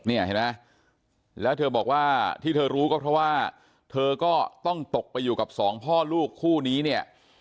เห็นไหมแล้วเธอบอกว่าที่เธอรู้ก็เพราะว่าเธอก็ต้องตกไปอยู่กับสองพ่อลูกคู่นี้เนี่ย